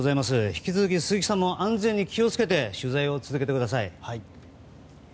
引き続き、鈴木さんも安全に気を付けて取材を続けてください。